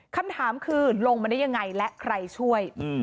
คำถามคือลงมาได้ยังไงและใครช่วย